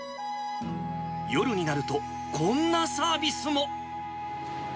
夜になると、こんなサービスも。